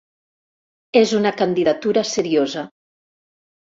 És una candidatura seriosa.